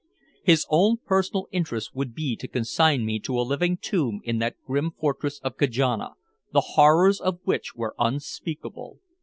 His own personal interest would be to consign me to a living tomb in that grim fortress of Kajana, the horrors of which were unspeakable.